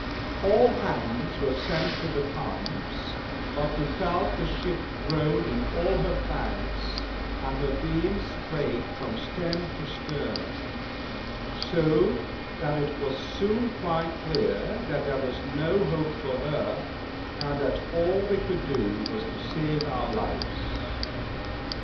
All hands were sent to the pumps, but we felt the ship groan in all her planks, and her beams quake from stem to stern; so that it was soon quite clear there was no hope for her, and that all we could do was to save our lives.